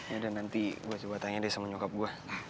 yaudah nanti gue coba tanya deh sama nyokap gue